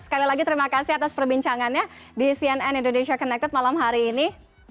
sekali lagi terima kasih atas perbincangannya di cnn indonesia connected malam hari ini